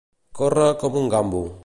Córrer com un gambo.